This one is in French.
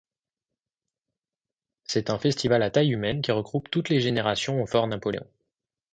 C’est un festival à taille humaine qui regroupe toutes les générations au Fort Napoléon.